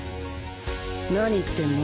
なに言ってんの？